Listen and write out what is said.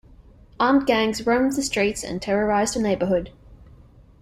Armed gangs roamed the streets and terrorized the neighborhood.